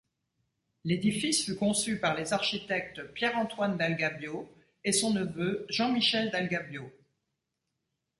L'édifice fut conçu par les architectes Pierre-Antoine Dalgabio et son neveu Jean-Michel Dalgabio.